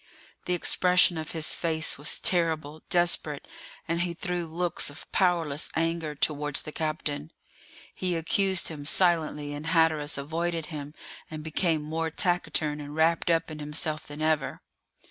The expression of his face was terrible, desperate, and he threw looks of powerless anger towards the captain. He accused him silently, and Hatteras avoided him and became more taciturn and wrapped up in himself than ever.